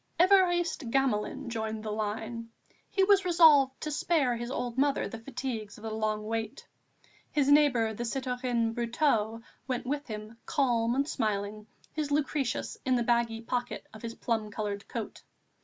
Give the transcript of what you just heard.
Évariste Gamelin joined the line; he was resolved to spare his old mother the fatigues of the long wait. His neighbour, the citoyen Brotteaux, went with him, calm and smiling, his Lucretius in the baggy pocket of his plum coloured coat.